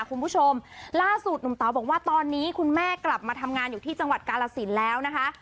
คุณผู้ชมล่าสุดหนุ่มเต๋าบอกว่าตอนนี้คุณแม่กลับมาทำงานอยู่ที่จังหวัดกาลสินแล้วนะคะ